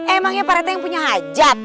emangnya pak rete yang punya ajat